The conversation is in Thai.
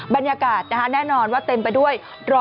บรรยากาศแน่นอนว่าเต็มไปด้วย